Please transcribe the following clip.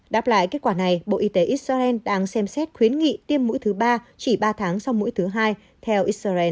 đáp lại kết quả này bộ y tế israel đang xem xét khuyến nghị tiêm mũi thứ ba chỉ ba tháng sau mũi thứ hai theo israel